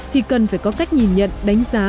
thì cần phải có cách nhìn nhận đánh giá